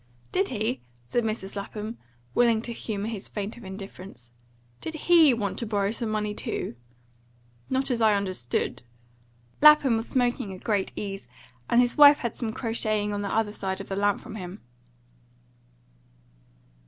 "Did he?" said Mrs. Lapham, willing to humour his feint of indifference. "Did HE want to borrow some money too?" "Not as I understood." Lapham was smoking at great ease, and his wife had some crocheting on the other side of the lamp from him.